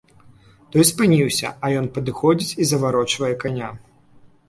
Той спыніўся, а ён падыходзіць і заварочвае каня.